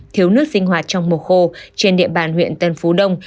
thiếu nước sinh hoạt trong mùa khô trên địa bàn huyện tân phú đông